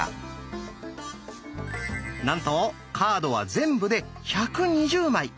なんとカードは全部で１２０枚。